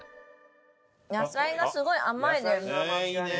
野菜がすごい甘いです。